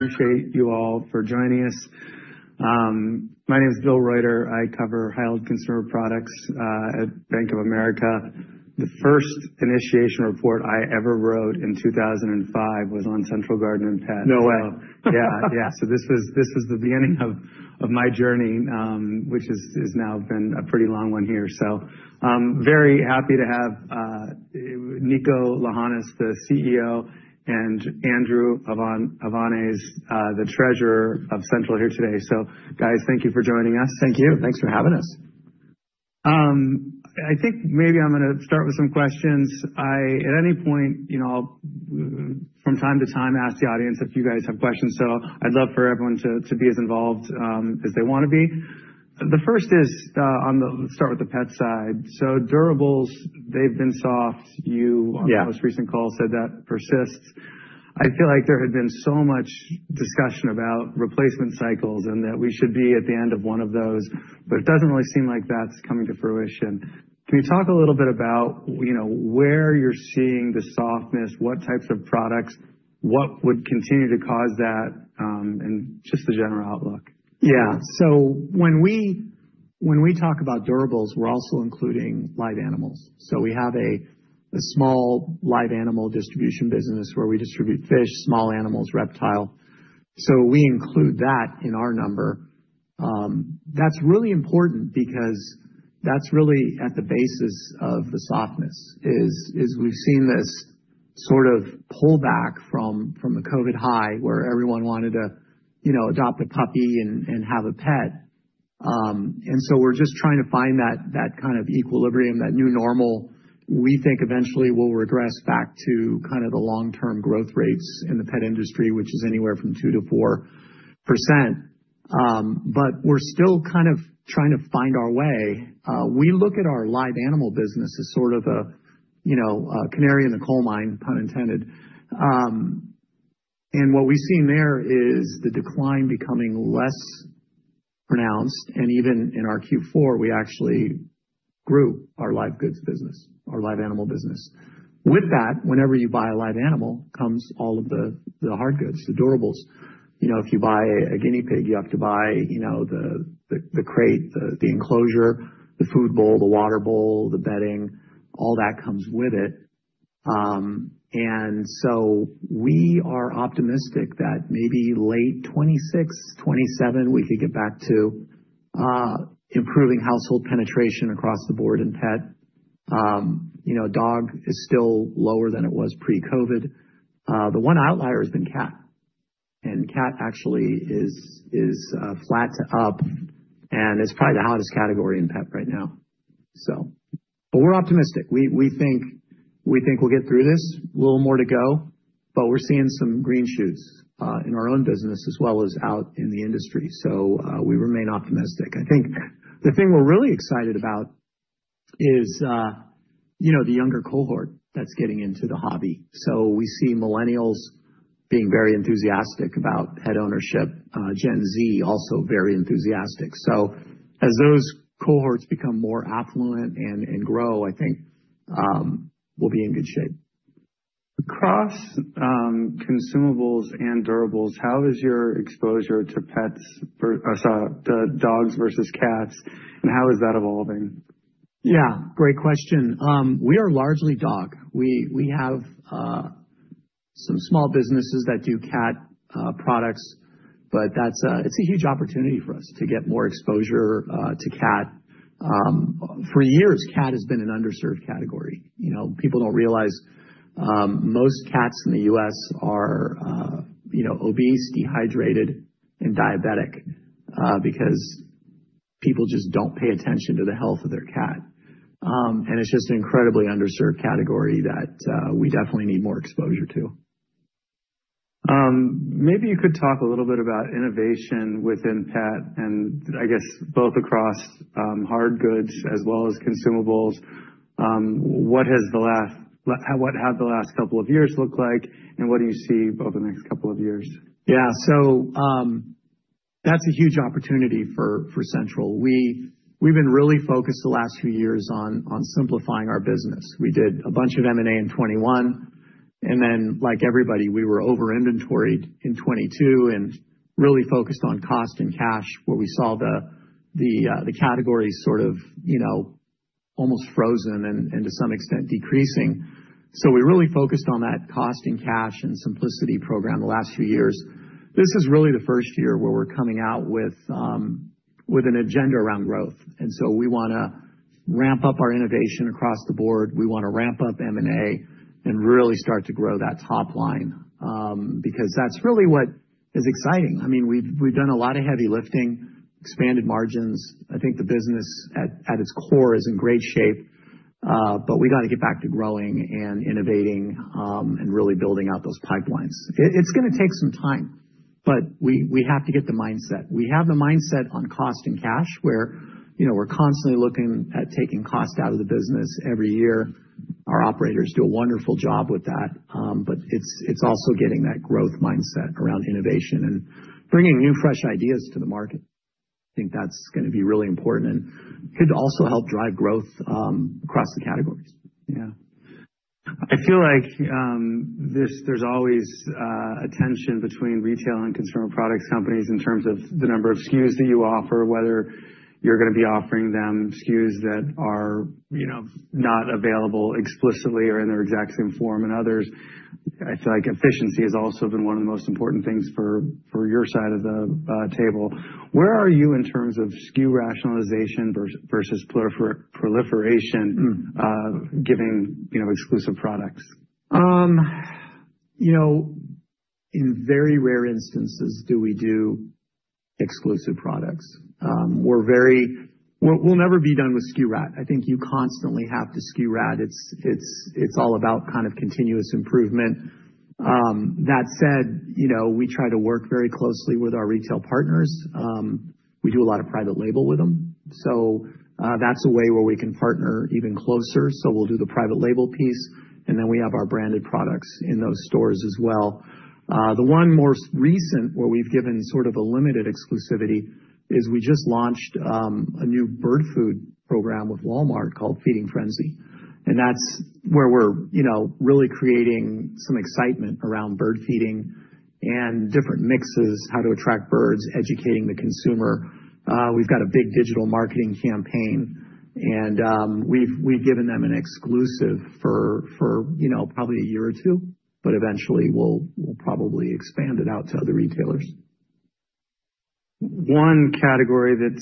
Appreciate you all for joining us. My name is Bill Reuter. I cover high-yield consumer products at Bank of America. The first initiation report I ever wrote in 2005 was on Central Garden & Pet Company. No way. Yeah, yeah. So this was the beginning of my journey, which has now been a pretty long one here. So very happy to have Niko Lahanas, the CEO, and Andrew Hovanes, the Treasurer of Central, here today. So guys, thank you for joining us. Thank you. Thanks for having us. I think maybe I'm going to start with some questions. At any point, from time to time, I ask the audience if you guys have questions. So I'd love for everyone to be as involved as they want to be. The first is, let's start with the pet side. So durables, they've been soft. You, on the most recent call, said that persists. I feel like there had been so much discussion about replacement cycles and that we should be at the end of one of those, but it doesn't really seem like that's coming to fruition. Can you talk a little bit about where you're seeing the softness, what types of products, what would continue to cause that, and just the general outlook? Yeah. So when we talk about durables, we're also including live animals. So we have a small live animal distribution business where we distribute fish, small animals, reptiles. So we include that in our number. That's really important because that's really at the basis of the softness, is we've seen this sort of pullback from the COVID high where everyone wanted to adopt a puppy and have a pet. And so we're just trying to find that kind of equilibrium, that new normal. We think eventually we'll regress back to kind of the long-term growth rates in the pet industry, which is anywhere from 2%-4%. But we're still kind of trying to find our way. We look at our live animal business as sort of a canary in the coal mine, pun intended. And what we've seen there is the decline becoming less pronounced. And even in our Q4, we actually grew our live goods business, our live animal business. With that, whenever you buy a live animal, comes all of the hard goods, the durables. If you buy a guinea pig, you have to buy the crate, the enclosure, the food bowl, the water bowl, the bedding. All that comes with it. And so we are optimistic that maybe late 2026, 2027, we could get back to improving household penetration across the board in pet. Dog is still lower than it was pre-COVID. The one outlier has been cat. And cat actually is flat to up. And it's probably the hottest category in pet right now. But we're optimistic. We think we'll get through this. A little more to go. But we're seeing some green shoots in our own business as well as out in the industry. So we remain optimistic. I think the thing we're really excited about is the younger cohort that's getting into the hobby. So we see millennials being very enthusiastic about pet ownership. Gen Z also very enthusiastic. So as those cohorts become more affluent and grow, I think we'll be in good shape. Across consumables and durables, how is your exposure to dogs versus cats, and how is that evolving? Yeah. Great question. We are largely dog. We have some small businesses that do cat products, but it's a huge opportunity for us to get more exposure to cat. For years, cat has been an underserved category. People don't realize most cats in the U.S. are obese, dehydrated, and diabetic because people just don't pay attention to the health of their cat. And it's just an incredibly underserved category that we definitely need more exposure to. Maybe you could talk a little bit about innovation within pet, and I guess both across hard goods as well as consumables. What have the last couple of years looked like, and what do you see over the next couple of years? Yeah. So that's a huge opportunity for Central. We've been really focused the last few years on simplifying our business. We did a bunch of M&A in 2021. And then, like everybody, we were over-inventoried in 2022 and really focused on cost and cash, where we saw the category sort of almost frozen and, to some extent, decreasing. So we really focused on that cost and cash and simplicity program the last few years. This is really the first year where we're coming out with an agenda around growth. And so we want to ramp up our innovation across the board. We want to ramp up M&A and really start to grow that top line because that's really what is exciting. I mean, we've done a lot of heavy lifting, expanded margins. I think the business at its core is in great shape, but we got to get back to growing and innovating and really building out those pipelines. It's going to take some time, but we have to get the mindset. We have the mindset on cost and cash, where we're constantly looking at taking cost out of the business every year. Our operators do a wonderful job with that, but it's also getting that growth mindset around innovation and bringing new fresh ideas to the market. I think that's going to be really important and could also help drive growth across the categories. Yeah. I feel like there's always a tension between retail and consumer products companies in terms of the number of SKUs that you offer, whether you're going to be offering them SKUs that are not available exclusively or in their exact same form and others. I feel like efficiency has also been one of the most important things for your side of the table. Where are you in terms of SKU rationalization versus proliferation, giving exclusive products? In very rare instances do we do exclusive products. We'll never be done with SKU RAT. I think you constantly have to SKU RAT. It's all about kind of continuous improvement. That said, we try to work very closely with our retail partners. We do a lot of private label with them. So that's a way where we can partner even closer. So we'll do the private label piece, and then we have our branded products in those stores as well. The one more recent where we've given sort of a limited exclusivity is we just launched a new bird food program with Walmart called Feeding Frenzy. And that's where we're really creating some excitement around bird feeding and different mixes, how to attract birds, educating the consumer. We've got a big digital marketing campaign, and we've given them an exclusive for probably a year or two, but eventually, we'll probably expand it out to other retailers. One category within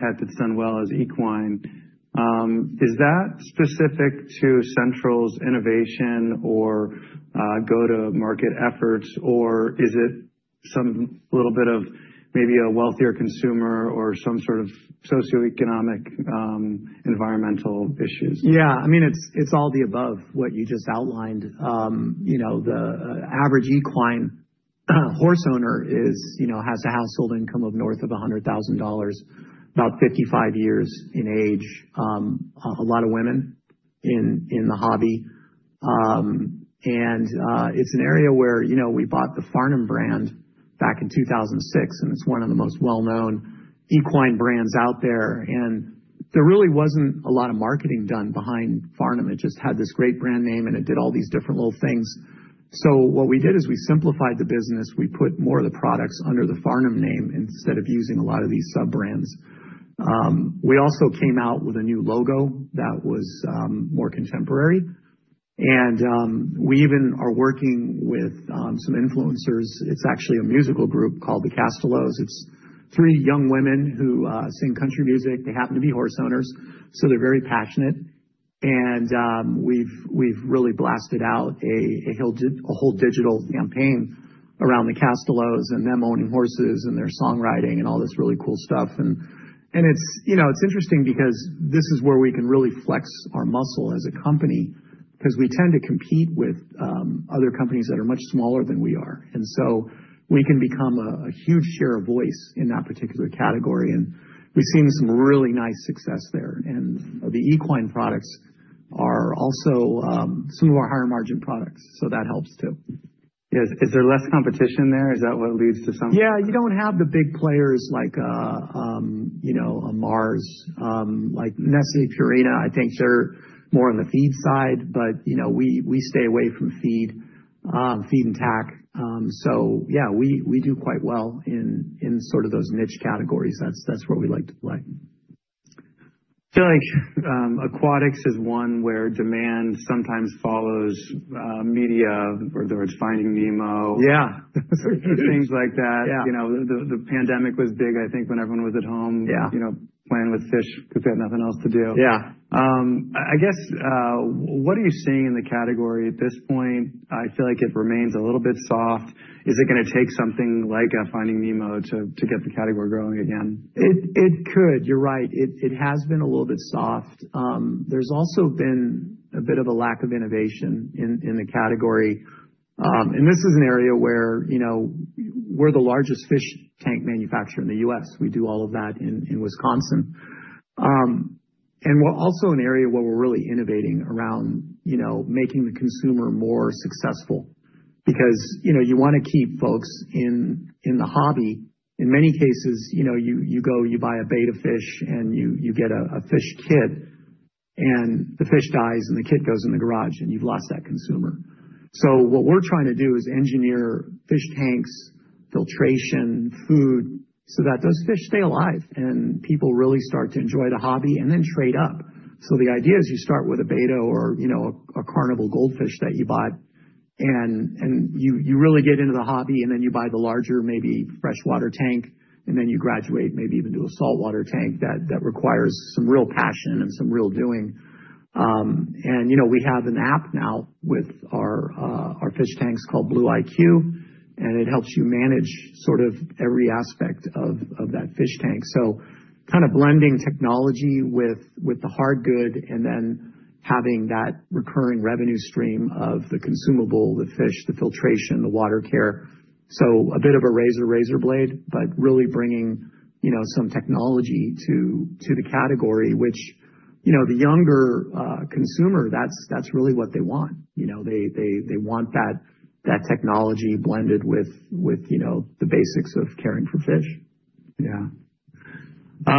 pet that's done well is equine. Is that specific to Central's innovation or go-to-market efforts, or is it some little bit of maybe a wealthier consumer or some sort of socioeconomic environmental issues? Yeah. I mean, it's all the above what you just outlined. The average equine horse owner has a household income of north of $100,000, about 55 years in age, a lot of women in the hobby. And it's an area where we bought the Farnam brand back in 2006, and it's one of the most well-known equine brands out there. And there really wasn't a lot of marketing done behind Farnam. It just had this great brand name, and it did all these different little things. So what we did is we simplified the business. We put more of the products under the Farnam name instead of using a lot of these sub-brands. We also came out with a new logo that was more contemporary. And we even are working with some influencers. It's actually a musical group called The Castellows. It's three young women who sing country music. They happen to be horse owners, so they're very passionate. And we've really blasted out a whole digital campaign around The Castellows and them owning horses and their songwriting and all this really cool stuff. And it's interesting because this is where we can really flex our muscle as a company because we tend to compete with other companies that are much smaller than we are. And so we can become a huge share of voice in that particular category. And we've seen some really nice success there. And the equine products are also some of our higher margin products, so that helps too. Is there less competition there? Is that what leads to some? Yeah. You don't have the big players like Mars, like Nestlé, Purina. I think they're more on the feed side, but we stay away from feed and tack. So yeah, we do quite well in sort of those niche categories. That's where we like to play. I feel like aquatics is one where demand sometimes follows media, whether it's Finding Nemo. Yeah. Things like that. The pandemic was big, I think, when everyone was at home playing with fish because they had nothing else to do. Yeah. I guess, what are you seeing in the category at this point? I feel like it remains a little bit soft. Is it going to take something like finding Nemo to get the category growing again? It could. You're right. It has been a little bit soft. There's also been a bit of a lack of innovation in the category, and this is an area where we're the largest fish tank manufacturer in the U.S. We do all of that in Wisconsin, and we're also in an area where we're really innovating around making the consumer more successful because you want to keep folks in the hobby. In many cases, you go, you buy a batch of fish, and you get a fish kit, and the fish dies, and the kit goes in the garage, and you've lost that consumer. So what we're trying to do is engineer fish tanks, filtration, food, so that those fish stay alive and people really start to enjoy the hobby and then trade up. The idea is you start with a bait or a carnival goldfish that you bought, and you really get into the hobby, and then you buy the larger maybe freshwater tank, and then you graduate maybe even to a saltwater tank that requires some real passion and some real doing. We have an app now with our fish tanks called Blue IQ, and it helps you manage sort of every aspect of that fish tank. Kind of blending technology with the hard good and then having that recurring revenue stream of the consumable, the fish, the filtration, the water care. A bit of a razor blade, but really bringing some technology to the category, which the younger consumer, that's really what they want. They want that technology blended with the basics of caring for fish. Yeah.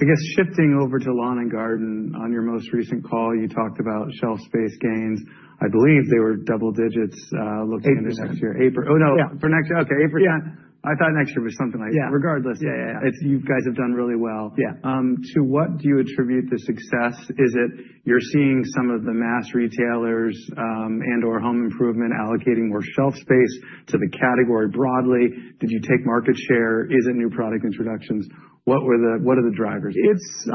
I guess shifting over to Lawn & Garden, on your most recent call, you talked about shelf space gains. I believe they were double digits looking into next year. April. Oh, no. For next year. Okay. April 10th. I thought next year was something like that. Regardless, you guys have done really well. To what do you attribute the success? Is it you're seeing some of the mass retailers and/or home improvement allocating more shelf space to the category broadly? Did you take market share? Is it new product introductions? What are the drivers? It's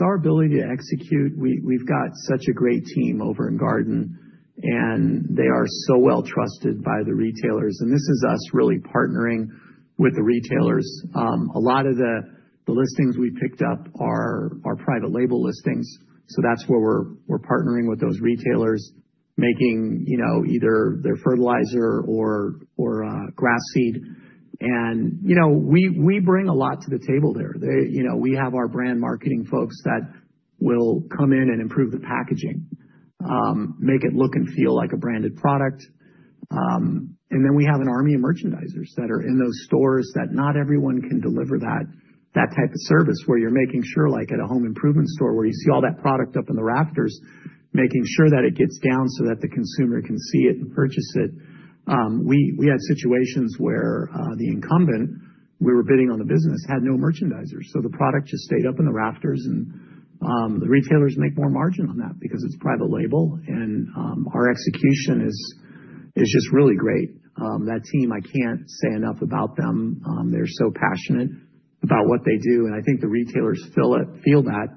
our ability to execute. We've got such a great team over in Garden, and they are so well trusted by the retailers, and this is us really partnering with the retailers. A lot of the listings we picked up are private label listings, so that's where we're partnering with those retailers, making either their fertilizer or grass seed, and we bring a lot to the table there. We have our brand marketing folks that will come in and improve the packaging, make it look and feel like a branded product, and then we have an army of merchandisers that are in those stores that not everyone can deliver that type of service where you're making sure like at a home improvement store where you see all that product up in the rafters, making sure that it gets down so that the consumer can see it and purchase it. We had situations where the incumbent we were bidding on the business had no merchandisers, so the product just stayed up in the rafters, and the retailers make more margin on that because it's private label, and our execution is just really great. That team, I can't say enough about them. They're so passionate about what they do, and I think the retailers feel that,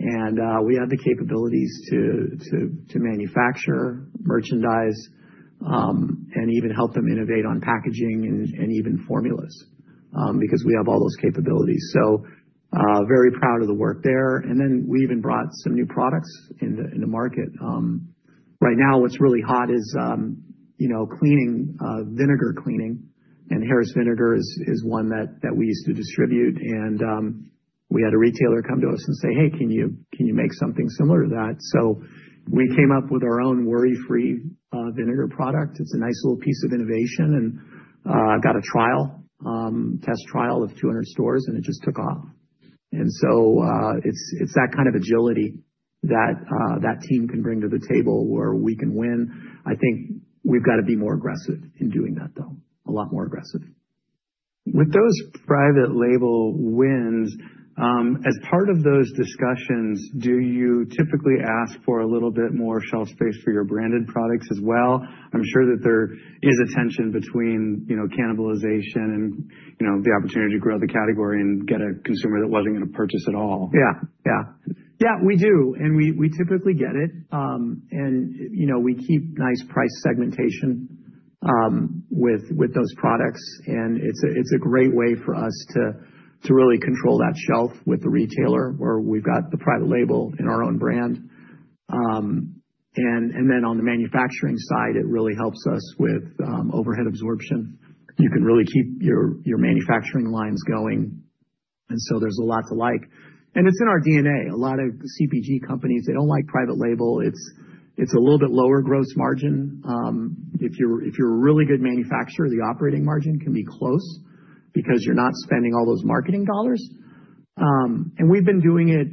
and we have the capabilities to manufacture merchandise and even help them innovate on packaging and even formulas because we have all those capabilities, so very proud of the work there, and then we even brought some new products in the market. Right now, what's really hot is cleaning, vinegar cleaning, and Harris Vinegar is one that we used to distribute. We had a retailer come to us and say, "Hey, can you make something similar to that?" We came up with our own Worry Free vinegar product. It's a nice little piece of innovation and got a trial, test trial of 200 stores, and it just took off. It's that kind of agility that that team can bring to the table where we can win. I think we've got to be more aggressive in doing that, though, a lot more aggressive. With those private label wins, as part of those discussions, do you typically ask for a little bit more shelf space for your branded products as well? I'm sure that there is a tension between cannibalization and the opportunity to grow the category and get a consumer that wasn't going to purchase at all. Yeah. Yeah. Yeah, we do. And we typically get it. And we keep nice price segmentation with those products. And it's a great way for us to really control that shelf with the retailer where we've got the private label in our own brand. And then on the manufacturing side, it really helps us with overhead absorption. You can really keep your manufacturing lines going. And so there's a lot to like. And it's in our DNA. A lot of CPG companies, they don't like private label. It's a little bit lower gross margin. If you're a really good manufacturer, the operating margin can be close because you're not spending all those marketing dollars. And we've been doing it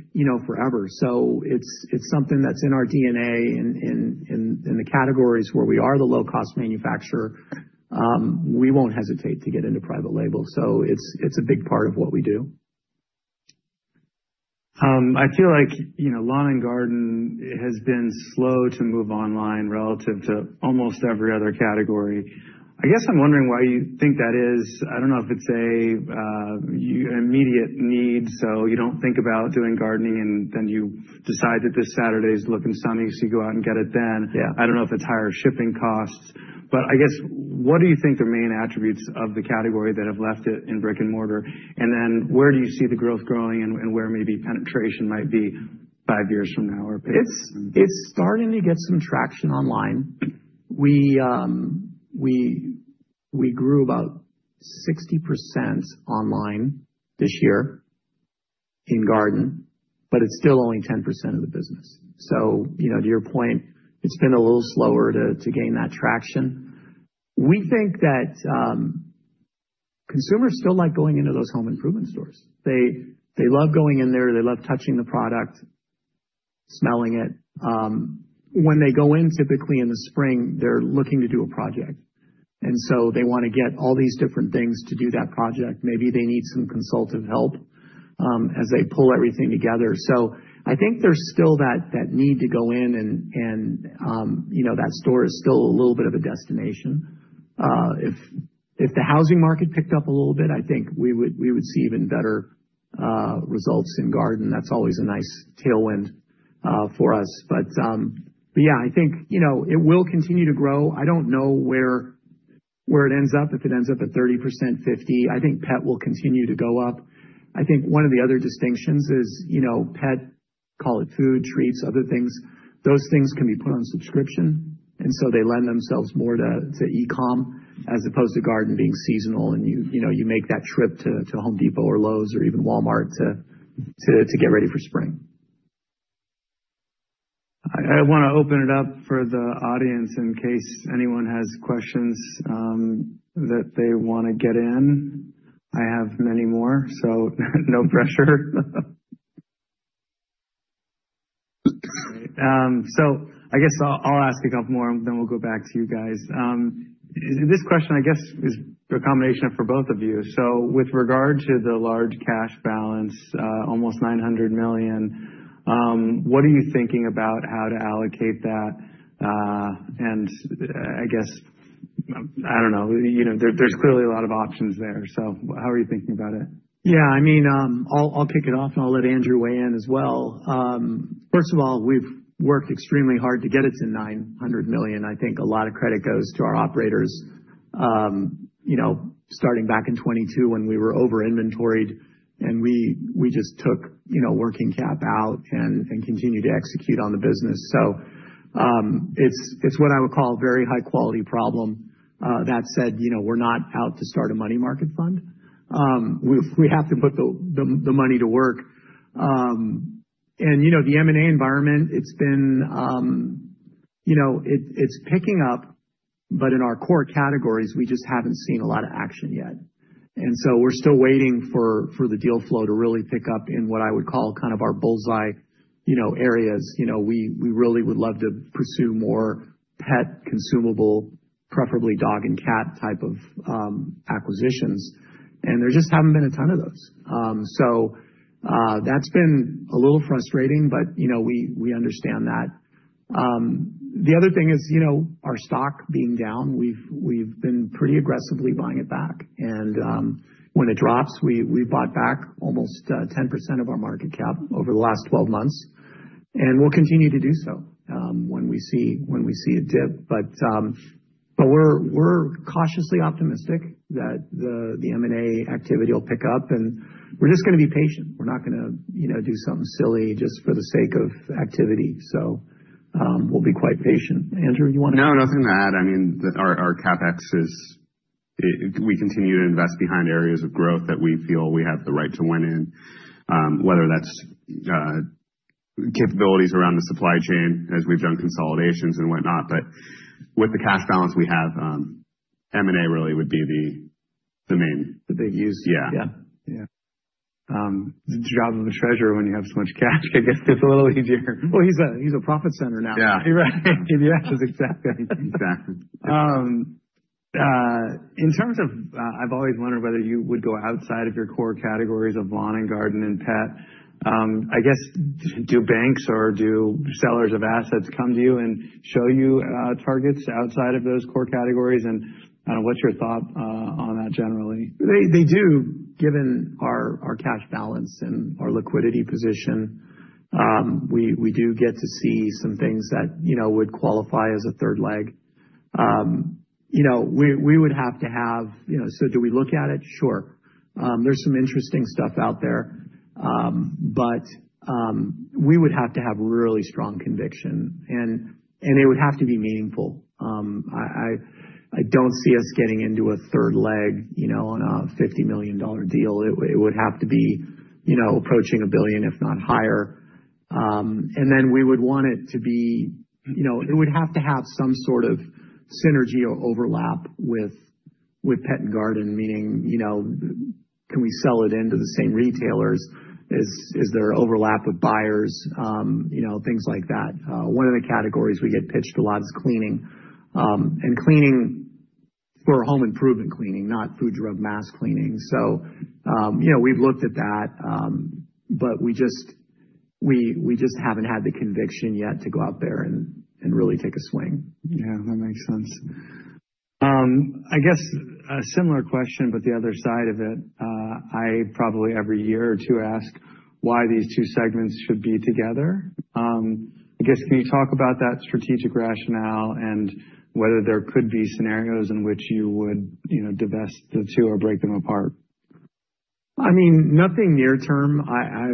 forever. So it's something that's in our DNA in the categories where we are the low-cost manufacturer. We won't hesitate to get into private label. So it's a big part of what we do. I feel like Lawn & Garden has been slow to move online relative to almost every other category. I guess I'm wondering why you think that is. I don't know if it's an immediate need, so you don't think about doing gardening, and then you decide that this Saturday is looking sunny, so you go out and get it then. I don't know if it's higher shipping costs. But I guess, what do you think the main attributes of the category that have left it in brick and mortar? And then where do you see the growth growing and where maybe penetration might be five years from now or a period of time? It's starting to get some traction online. We grew about 60% online this year in Garden, but it's still only 10% of the business. So to your point, it's been a little slower to gain that traction. We think that consumers still like going into those home improvement stores. They love going in there. They love touching the product, smelling it. When they go in, typically in the spring, they're looking to do a project, and so they want to get all these different things to do that project. Maybe they need some consultant help as they pull everything together. So I think there's still that need to go in, and that store is still a little bit of a destination. If the housing market picked up a little bit, I think we would see even better results in Garden. That's always a nice tailwind for us. But yeah, I think it will continue to grow. I don't know where it ends up, if it ends up at 30% to 50%. I think pet will continue to go up. I think one of the other distinctions is pet, call it food, treats, other things. Those things can be put on subscription, and so they lend themselves more to e-comm as opposed to Garden being seasonal, and you make that trip to Home Depot or Lowe's or even Walmart to get ready for spring. I want to open it up for the audience in case anyone has questions that they want to get in. I have many more, so no pressure, so I guess I'll ask a couple more, and then we'll go back to you guys. This question, I guess, is a combination for both of you, so with regard to the large cash balance, almost $900 million, what are you thinking about how to allocate that? And I guess, I don't know. There's clearly a lot of options there, so how are you thinking about it? Yeah. I mean, I'll kick it off, and I'll let Andrew weigh in as well. First of all, we've worked extremely hard to get it to $900 million. I think a lot of credit goes to our operators. Starting back in 2022 when we were over-inventoried, and we just took working cap out and continued to execute on the business. So it's what I would call a very high-quality problem. That said, we're not out to start a money market fund. We have to put the money to work, and the M&A environment, it's been picking up, but in our core categories, we just haven't seen a lot of action yet, and so we're still waiting for the deal flow to really pick up in what I would call kind of our bullseye areas. We really would love to pursue more pet consumable, preferably dog and cat type of acquisitions. There just haven't been a ton of those. So that's been a little frustrating, but we understand that. The other thing is our stock being down; we've been pretty aggressively buying it back. And when it drops, we've bought back almost 10% of our market cap over the last 12 months. And we'll continue to do so when we see a dip. But we're cautiously optimistic that the M&A activity will pick up, and we're just going to be patient. We're not going to do something silly just for the sake of activity. So we'll be quite patient. Andrew, do you want to? No, nothing to add. I mean, our CapEx is we continue to invest behind areas of growth that we feel we have the right to win in, whether that's capabilities around the supply chain as we've done consolidations and whatnot. But with the cash balance we have, M&A really would be the main. The big use. Yeah. Yeah. The job of a treasurer when you have so much cash, I guess gets a little easier. Well, he's a profit center now. Yeah. Right. Exactly. Exactly. In terms of, I've always wondered whether you would go outside of your core categories of Lawn & Garden and pet. I guess, do banks or do sellers of assets come to you and show you targets outside of those core categories? And I don't know. What's your thought on that generally? They do, given our cash balance and our liquidity position. We do get to see some things that would qualify as a third leg. We would have to have. So do we look at it? Sure. There's some interesting stuff out there. But we would have to have really strong conviction, and it would have to be meaningful. I don't see us getting into a third leg on a $50 million deal. It would have to be approaching $1 billion, if not higher. And then we would want it to be. It would have to have some sort of synergy or overlap with pet and garden, meaning can we sell it into the same retailers? Is there overlap of buyers? Things like that. One of the categories we get pitched a lot is cleaning. And cleaning for home improvement cleaning, not food, drug, mass cleaning. So we've looked at that, but we just haven't had the conviction yet to go out there and really take a swing. Yeah. That makes sense. I guess a similar question, but the other side of it. I probably every year or two ask why these two segments should be together. I guess, can you talk about that strategic rationale and whether there could be scenarios in which you would divest the two or break them apart? I mean, nothing near-term. I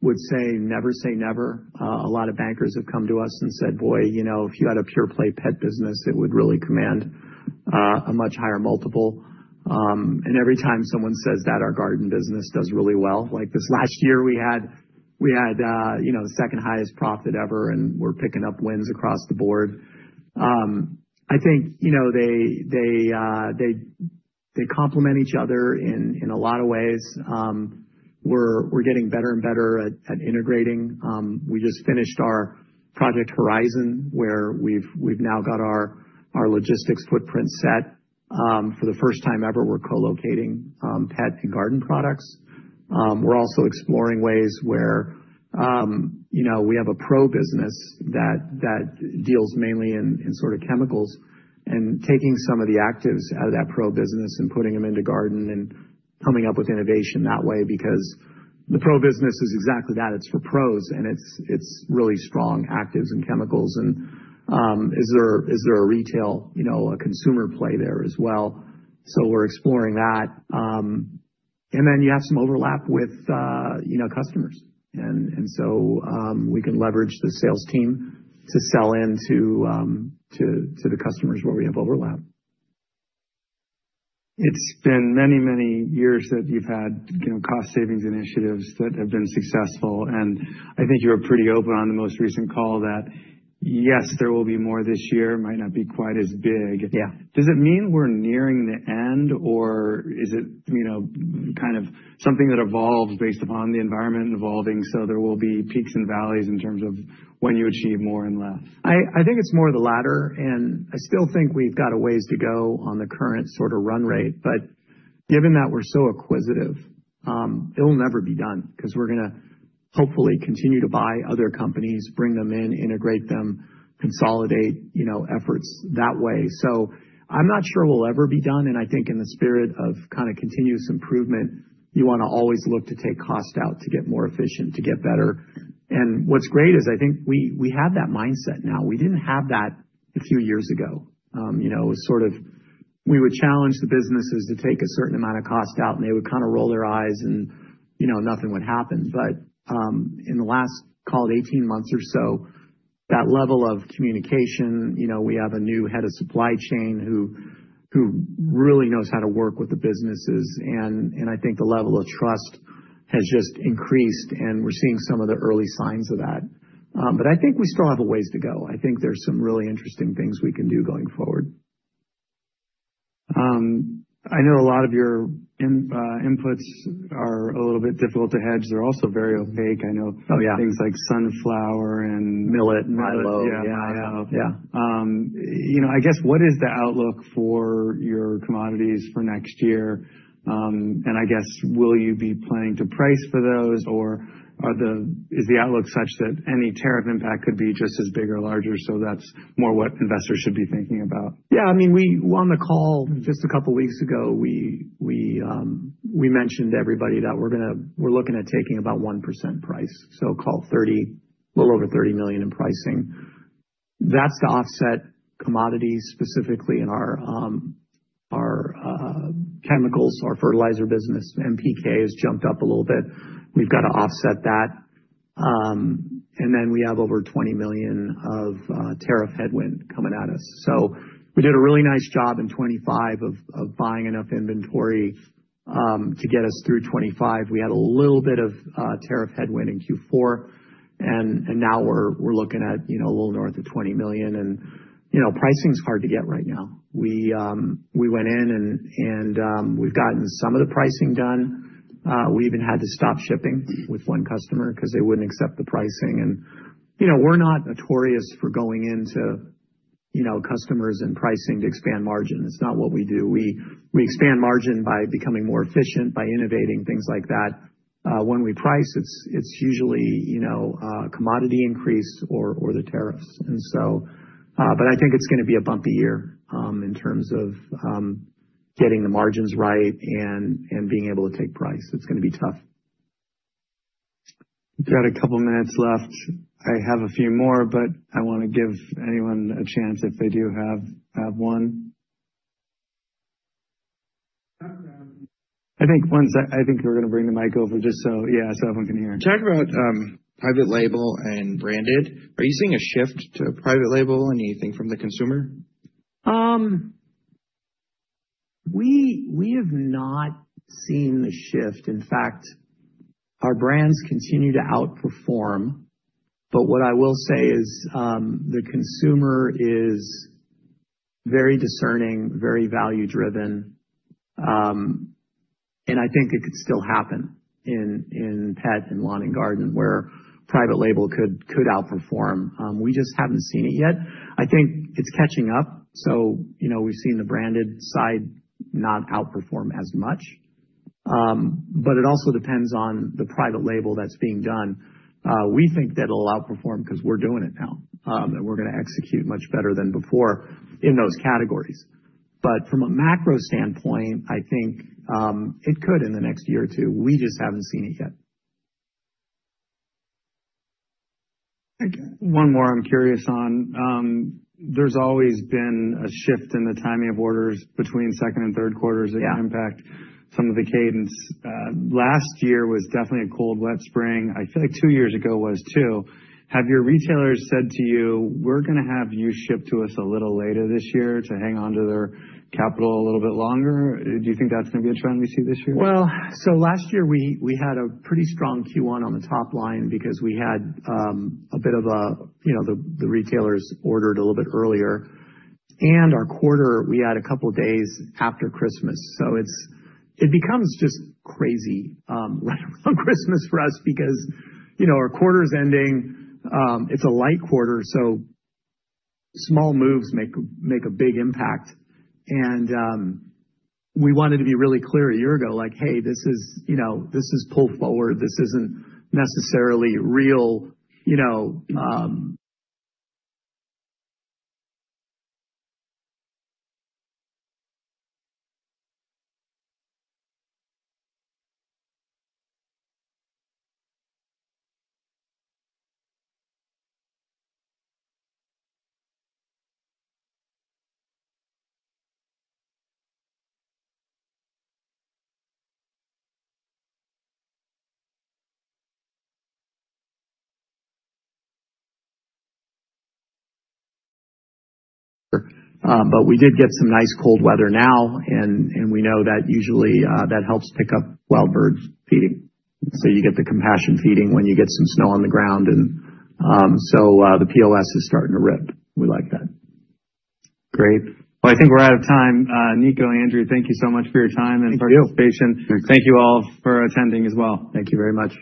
would say never say never. A lot of bankers have come to us and said, "Boy, if you had a pure play pet business, it would really command a much higher multiple." And every time someone says that, our garden business does really well. Like this last year, we had the second highest profit ever, and we're picking up wins across the board. I think they complement each other in a lot of ways. We're getting better and better at integrating. We just finished our Project Horizon, where we've now got our logistics footprint set. For the first time ever, we're co-locating pet and garden products. We're also exploring ways where we have a pro business that deals mainly in sort of chemicals and taking some of the actives out of that pro business and putting them into garden and coming up with innovation that way because the pro business is exactly that. It's for pros, and it's really strong actives and chemicals. And is there a retail, a consumer play there as well? So we're exploring that. And then you have some overlap with customers. And so we can leverage the sales team to sell into the customers where we have overlap. It's been many, many years that you've had cost savings initiatives that have been successful. And I think you were pretty open on the most recent call that, yes, there will be more this year. It might not be quite as big. Does it mean we're nearing the end, or is it kind of something that evolves based upon the environment evolving so there will be peaks and valleys in terms of when you achieve more and less? I think it's more of the latter. And I still think we've got a ways to go on the current sort of run rate. But given that we're so acquisitive, it'll never be done because we're going to hopefully continue to buy other companies, bring them in, integrate them, consolidate efforts that way. So I'm not sure we'll ever be done. And I think in the spirit of kind of continuous improvement, you want to always look to take cost out to get more efficient, to get better. And what's great is I think we have that mindset now. We didn't have that a few years ago. It was sort of we would challenge the businesses to take a certain amount of cost out, and they would kind of roll their eyes, and nothing would happen. But in the last, call it 18 months or so, that level of communication, we have a new head of supply chain who really knows how to work with the businesses. And I think the level of trust has just increased, and we're seeing some of the early signs of that. But I think we still have a ways to go. I think there's some really interesting things we can do going forward. I know a lot of your inputs are a little bit difficult to hedge. They're also very opaque. I know things like sunflower and millet and milo. Yeah. Yeah. Yeah. I guess, what is the outlook for your commodities for next year? And I guess, will you be planning to price for those, or is the outlook such that any tariff impact could be just as big or larger? So that's more what investors should be thinking about. Yeah. I mean, we were on the call just a couple of weeks ago. We mentioned to everybody that we're looking at taking about 1% price. So call it 30, a little over $30 million in pricing. That's to offset commodities, specifically in our chemicals, our fertilizer business. NPK has jumped up a little bit. We've got to offset that. And then we have over $20 million of tariff headwind coming at us. So we did a really nice job in 2025 of buying enough inventory to get us through 2025. We had a little bit of tariff headwind in Q4. And now we're looking at a little north of $20 million. And pricing is hard to get right now. We went in, and we've gotten some of the pricing done. We even had to stop shipping with one customer because they wouldn't accept the pricing. And we're not notorious for going into customers and pricing to expand margin. It's not what we do. We expand margin by becoming more efficient, by innovating, things like that. When we price, it's usually commodity increase or the tariffs. But I think it's going to be a bumpy year in terms of getting the margins right and being able to take price. It's going to be tough. We've got a couple of minutes left. I have a few more, but I want to give anyone a chance if they do have one. I think one sec. I think we're going to bring the mic over just so yeah, so everyone can hear. Talk about private label and branded. Are you seeing a shift to private label? Anything from the consumer? We have not seen the shift. In fact, our brands continue to outperform. But what I will say is the consumer is very discerning, very value-driven, and I think it could still happen in pet and lawn and garden where private label could outperform. We just haven't seen it yet. I think it's catching up, so we've seen the branded side not outperform as much, but it also depends on the private label that's being done. We think that it'll outperform because we're doing it now, and we're going to execute much better than before in those categories, but from a macro standpoint, I think it could in the next year or two. We just haven't seen it yet. One more I'm curious on. There's always been a shift in the timing of orders between second and third quarters that can impact some of the cadence. Last year was definitely a cold, wet spring. I feel like two years ago was too. Have your retailers said to you, "We're going to have you ship to us a little later this year to hang on to their capital a little bit longer"? Do you think that's going to be a trend we see this year? Well, so last year, we had a pretty strong Q1 on the top line because we had a bit of the retailers ordered a little bit earlier. And our quarter, we had a couple of days after Christmas. So it becomes just crazy right around Christmas for us because our quarter is ending. It's a light quarter. So small moves make a big impact. And we wanted to be really clear a year ago, like, "Hey, this is pull forward. This isn't necessarily real." But we did get some nice cold weather now. And we know that usually that helps pick up wild birds feeding. So you get the compassion feeding when you get some snow on the ground. And so the POS is starting to rip. We like that. Great. Well, I think we're out of time. Niko, Andrew, thank you so much for your time and participation. Thank you. Thank you all for attending as well. Thank you very much.